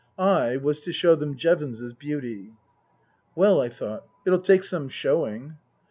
I was to show them Jevons's beauty. Well, I thought, it'll take some showing.